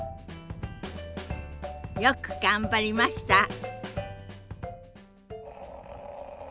よく頑張りました。